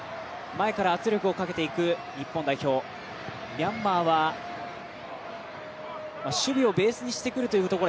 ミャンマーは守備をベースにしてくるというところ。